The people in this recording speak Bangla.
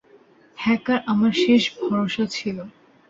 হ্যাকার আমার শেষ ভরসা ছিল।